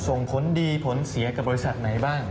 ส่งผลดีผลเสียกับบริษัทไหนบ้าง